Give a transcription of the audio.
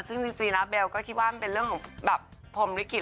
ซึ่งจริงล่ะเบลล์ก็ก็คิดว่าเป็นเรื่องของพรมลิขิต